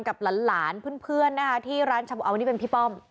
กับหลานเพื่อนนะคะที่ร้านชาบูเอานี่เป็นพี่ป้อม